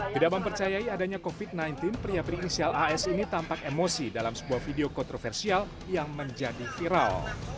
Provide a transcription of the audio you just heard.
tidak mempercayai adanya covid sembilan belas pria berinisial as ini tampak emosi dalam sebuah video kontroversial yang menjadi viral